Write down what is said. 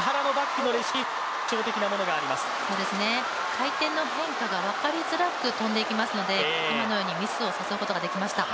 回転の変化が分かりやすく飛んでいきますので、今のようにミスを誘うことができました。